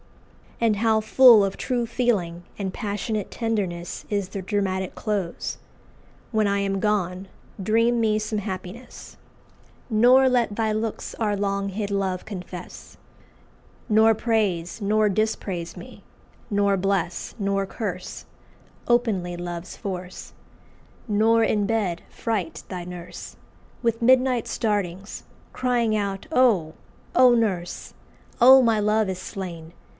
And how full of true feeling and passionate tenderness is the dramatic close! "When I am gone dream me some happiness, Nor let thy looks our long hid love confess; Nor praise nor dispraise me; nor bless nor curse Openly love's force; nor in bed fright thy nurse With midnight startings, crying out, 'Oh! oh! Nurse! oh, my love is slain!